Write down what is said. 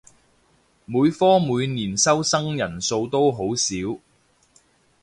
每科每年收生人數都好少